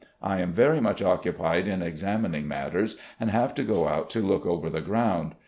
I am very much occupied in examining matters, and have to go out to look over the ground.